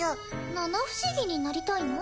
七不思議になりたいの？